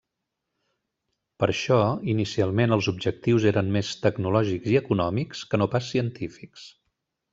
Per això inicialment els objectius eren més tecnològics i econòmics que no pas científics.